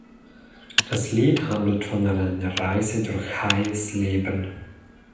Das Lied handelt von einer Reise durch Hayes' Leben.